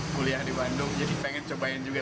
kuliah di bandung jadi pengen cobain juga